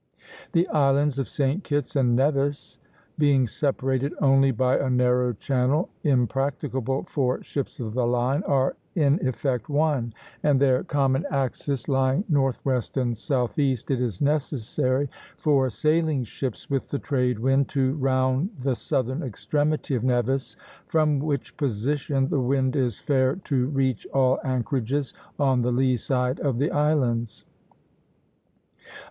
The islands of St. Kitt's and Nevis (Plates XVIII. and XIX.) being separated only by a narrow channel, impracticable for ships of the line, are in effect one, and their common axis lying northwest and southeast, it is necessary for sailing ships, with the trade wind, to round the southern extremity of Nevis, from which position the wind is fair to reach all anchorages on the lee side of the islands.